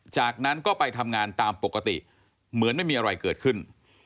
จากนั้นก็ไปทำงานตามปกติเหมือนไม่มีอะไรเกิดขึ้น